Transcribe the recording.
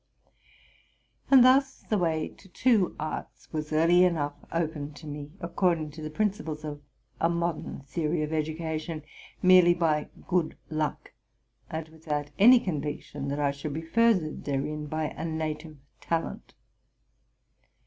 And thus the way to two arts was early enough opened to me, according to the principles of a modern theory of education, merely by good luck, and without any conviction that I should be furthered therein by a native talent.